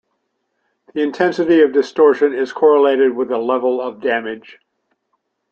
The intensity of distortion is correlated with the level of damage.